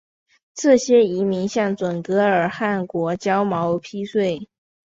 这些遗民向准噶尔汗国交毛皮税。